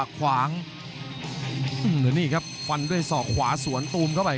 รับทราบบรรดาศักดิ์